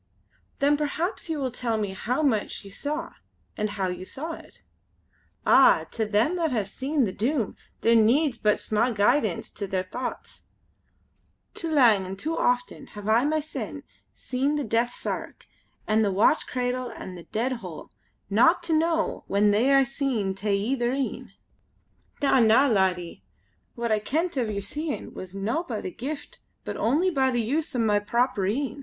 "Then perhaps you will tell me how much you saw, and how you saw it?" "Ah! to them that have seen the Doom there needs but sma' guidance to their thochts. Too lang, an' too often hae I mysen seen the death sark an' the watch candle an' the dead hole, not to know when they are seen tae ither een. Na, na! laddie, what I kent o' yer seein' was no by the Gift but only by the use o' my proper een.